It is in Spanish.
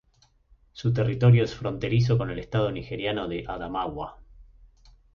Su territorio es fronterizo con el estado nigeriano de Adamawa.